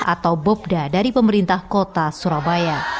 atau bobda dari pemerintah kota surabaya